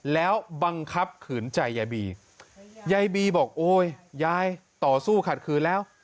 แล้วบังคับขืนใจยายบียายบีบอกโอ้ยยายต่อสู้ขัดขืนแล้ว